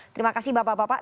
terima kasih bapak bapak